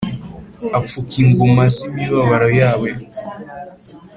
apfuka inguma z’imibabaro yabo”